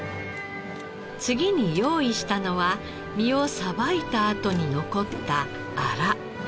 次に用意したのは身をさばいたあとに残ったアラ。